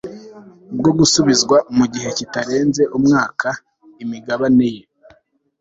bwo gusubizwa mu gihe kitarenze umwaka imigabane ye